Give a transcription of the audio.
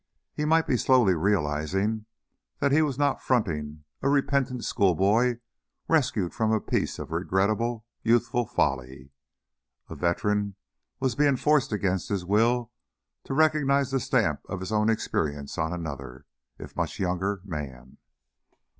He might be slowly realizing that he was not fronting a repentant schoolboy rescued from a piece of regrettable youthful folly. A veteran was being forced against his will to recognize the stamp of his own experience on another, if much younger, man.